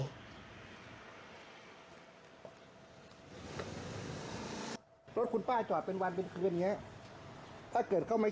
รถคุณป้าจอดเป็นวันเป็นคืนอย่างเงี้ยถ้าเกิดเขาไม่